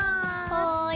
はい。